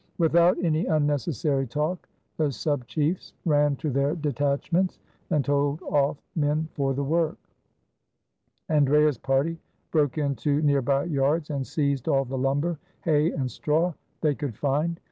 Without any unnecessary talk, the sub chiefs ran to their detach ments, and told off men for the work. Andrea's party broke into near by yards, and seized all the lumber, hay, and straw they could find.